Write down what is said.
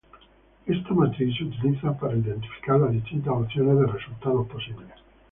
Esta matriz se utiliza para identificar las distintas opciones de resultados posibles.